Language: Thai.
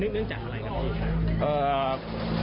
นึกจากอะไรกับกี้ครับ